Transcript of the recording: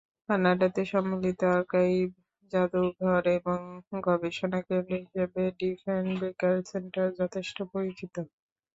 কানাডাতে সম্মিলিত আর্কাইভ, জাদুঘর এবং গবেষণা কেন্দ্র হিসেবে ডিফেনবেকার সেন্টার যথেষ্ট পরিচিত।